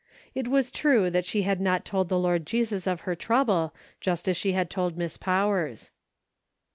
It was true that she had not told the Lord Jesus of her trouble, just as she had told Miss Powers.